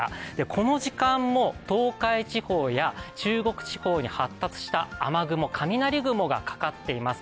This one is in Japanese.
この時間も東海地方や中国地方に発達した雨雲雷雲がかかっています。